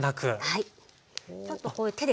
はい。